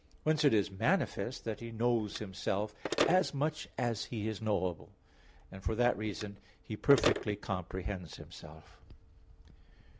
Whence it is manifest that He knows Himself as much as He is knowable; and for that reason He perfectly comprehends Himself.